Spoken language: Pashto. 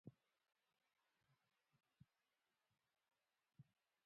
آمو سیند د افغانانو د معیشت سرچینه ده.